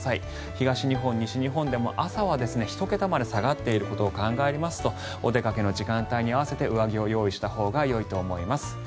東日本、西日本でも朝は１桁まで下がっていることを考えますとお出かけの時間帯に合わせて上着を用意したほうがいいと思います。